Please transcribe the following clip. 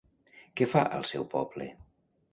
Què fa al seu poble?